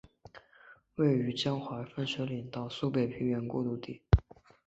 位于江淮分水岭到苏北平原过度地。